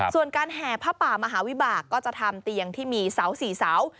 ส่วนการแห่ผ้าป่ามหาวิบากก็จะทำเตียงที่มีเสา๔เสา